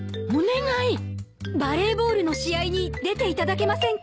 バレーボールの試合に出ていただけませんか？